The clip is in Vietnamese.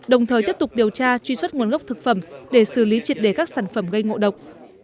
đồng thời tiếp tục điều tra truy xuất nguồn gốc thực phẩm để xử lý triệt đề các sản phẩm gây ngộ độc